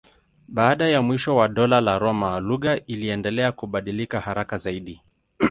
Baada ya mwisho wa Dola la Roma lugha iliendelea kubadilika haraka zaidi.